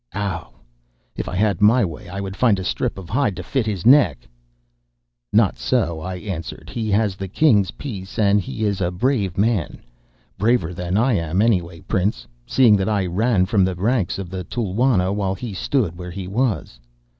Ow! if I had my way I would find a strip of hide to fit his neck.' "'Not so,' I answered, 'he has the King's peace and he is a brave man —braver than I am, anyway, Prince, seeing that I ran from the ranks of the Tulwana, while he stood where he was.